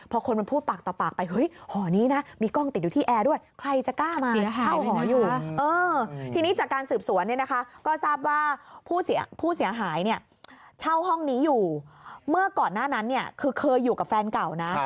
เพราะฉะนั้นเนี่ยคือเคยอยู่กับแฟนเก่านะ